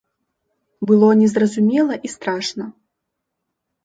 Было незразумела і страшна.